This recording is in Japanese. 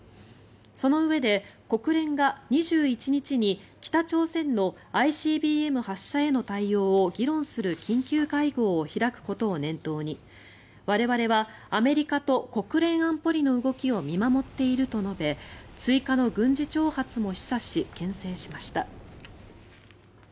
そのうえで、国連が２１日に北朝鮮のＩＣＢＭ発射への対応を議論する緊急会合を開くことを念頭に我々はアメリカと国連安保理の動きを見守っていると述べ追加の軍事挑発も示唆しけん制しました。